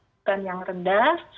bukan yang rendah